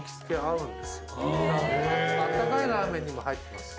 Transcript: あったかいラーメンにも入ってます。